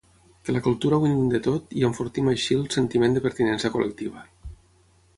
Que la cultura ho inundi tot i enfortim així el sentiment de pertinença col·lectiva.